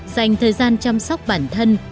dành thời gian chăm sóc bản thân